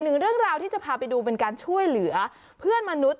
หนึ่งเรื่องราวที่จะพาไปดูเป็นการช่วยเหลือเพื่อนมนุษย์